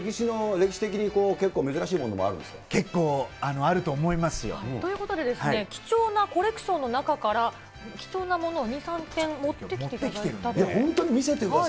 歴史的に結構珍しいものもあ結構あると思いますよ。ということで、貴重なコレクションの中から、貴重なものを２、３点持ってきていただいたということで。